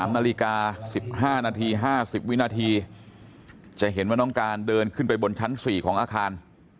๓นาฬิกา๑๕นาที๕๐วินาทีจะเห็นว่าน้องการเดินขึ้นไปบนชั้น๔ของอาคาร